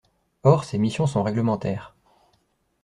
Or, ces missions sont réglementaires.